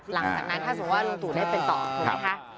หลังจากนั้นถ้าสมมุติว่าลุงตู่ได้เป็นต่อถูกไหมคะ